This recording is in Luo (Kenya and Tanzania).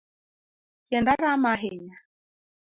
Tienda rama ahinya